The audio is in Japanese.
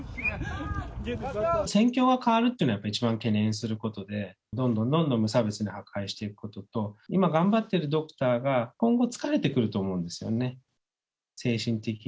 戦況が変わるというのが一番懸念することで、どんどんどんどん無差別に破壊していくことと、今、頑張ってるドクターが、今後、疲れてくると思うんですよね。